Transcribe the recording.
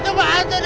itu apaan dik